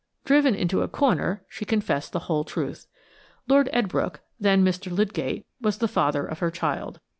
Driven into a corner, she confessed the whole truth. Lord Edbrooke, then Mr. Lydgate, was the father of her child.